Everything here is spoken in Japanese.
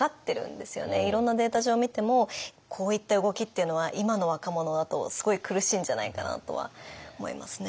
いろんなデータ上見てもこういった動きっていうのは今の若者だとすごい苦しいんじゃないかなとは思いますね。